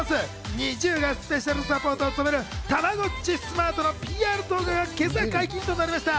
ＮｉｚｉＵがスペシャルサポーターを務めるたまごっちスマートのＰＲ動画が今朝解禁となりました。